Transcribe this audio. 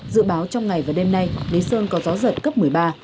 dự báo trong ngày và đêm nay lý sơn có gió giật cấp một mươi ba